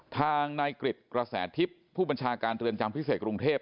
ทางนายกริจกระแสทิพย์ผู้บัญชาการเรือนจำพิเศษกรุงเทพ